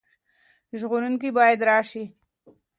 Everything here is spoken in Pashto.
ژغورونکی باید راشي.